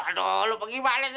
aduh lu pergi mana sih